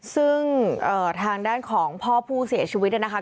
ซึ่งทางด้านของพ่อผู้เสียชีวิตเนี่ยนะคะ